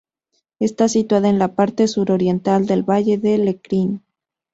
Está situada en la parte suroriental del Valle de Lecrín.